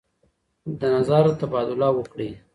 د نظر تبادله وکړئ.